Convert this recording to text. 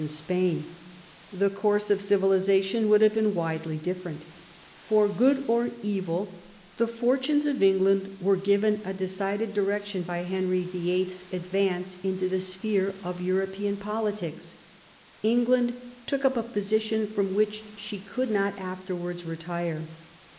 and Spain ; the course of civilisation would have been widely different For good or for evil the fortunes of England were given a decided direction by Henry VIIL's advance into the sphere of European poKtics. England took up a position from which she could not afterwards retire.